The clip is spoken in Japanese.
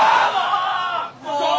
もう！